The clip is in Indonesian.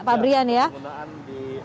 pak brian ya penggunaan di